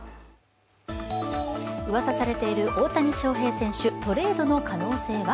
うわさされている大谷翔平選手トレードの可能性は？